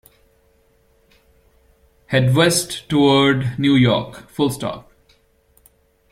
Head west toward New York.